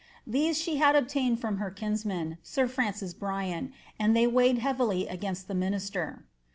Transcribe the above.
These she had obtained from her kinsman, sir I'micw Bryan, and they weighed heavily against the minister.